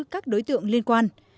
các đối tượng liên quan